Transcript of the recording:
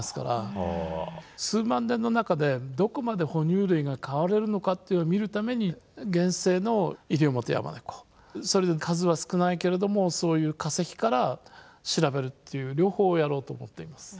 あのこれは何て言ったらいいかなっていうのを見るために現生のイリオモテヤマネコそれと数は少ないけれどもそういう化石から調べるっていう両方をやろうと思っています。